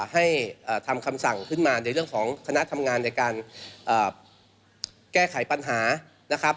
ให้ทำคำสั่งขึ้นมาในเรื่องของคณะทำงานในการแก้ไขปัญหานะครับ